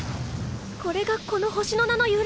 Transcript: これがこの星の名の由来？